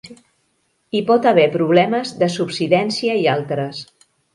Hi pot haver problemes de subsidència i altres.